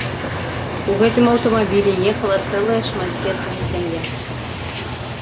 У гэтым аўтамабілі ехала цэлая шматдзетная сям'я.